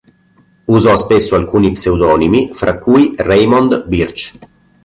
Usò spesso alcuni pseudonimi fra cui "Raymond Birch".